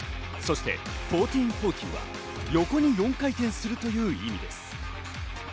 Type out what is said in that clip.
そして１４４０は横に４回転するという意味です。